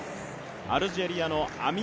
アルジェリアの選手